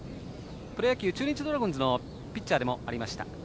プロ野球、中日ドラゴンズのピッチャーでもありました。